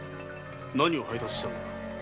何を配達したのだ？